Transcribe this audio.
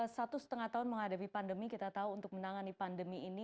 satu setengah tahun menghadapi pandemi kita tahu untuk menangani pandemi ini